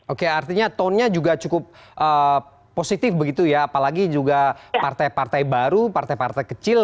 oke artinya tone nya juga cukup positif begitu ya apalagi juga partai partai baru partai partai kecil